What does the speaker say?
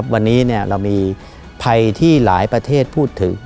วันนี้เรามีภัยที่หลายประเทศพูดถึง